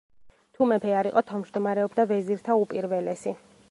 თუ მეფე არ იყო, თავმჯდომარეობდა „ვეზირთა უპირველესი“.